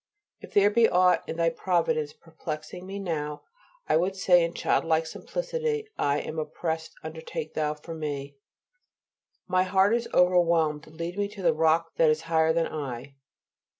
If there be aught in Thy providence perplexing me now, I would say in child like simplicity, "I am oppressed, undertake Thou for me!" "My heart is overwhelmed, lead me to the Rock that is higher than I."